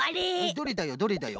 どれだよどれだよ？